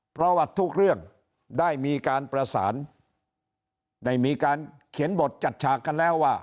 เพราะว่าทุกเรื่องได้มีการประสานได้มีการเขียนบทจัดฉากกันแล้วว่า